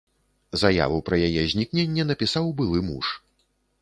Заяву пра яе знікненне напісаў былы муж.